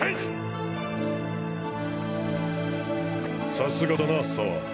さすがだな沢。